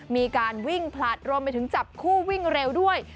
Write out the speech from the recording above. มีการวิ่งผลัดรวมไปถึงจับคู่วิ่งเร็วด้วย